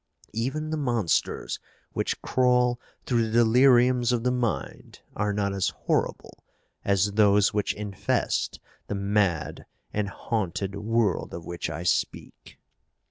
Even the monsters which crawl through the deliriums of the mind are not as horrible as those which infest the mad and haunted world of which I speak."